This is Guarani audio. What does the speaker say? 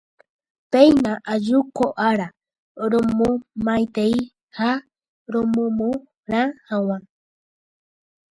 Péina aju ko ára romomaitei ha romomorã hag̃ua.